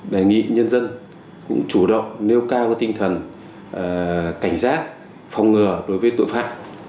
đề nghị nhân dân cũng chủ động nêu cao tinh thần cảnh giác phòng ngừa đối với tội phạm